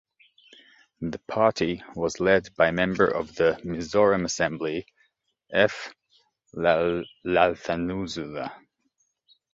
The party was led by member of the Mizoram assembly F. Lalthanzuala.